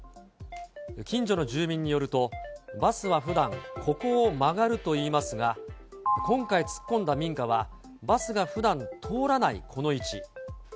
近所の住民によると、バスはふだん、ここを曲がるといいますが、今回突っ込んだ民家はバスがふだん通らないこの位置。